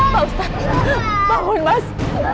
pak ustadz bangun mas